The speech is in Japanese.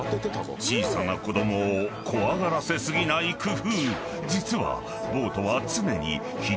小さな子供を怖がらせ過ぎない工夫］